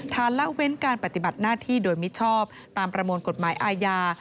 ละเว้นการปฏิบัติหน้าที่โดยมิชอบตามประมวลกฎหมายอาญา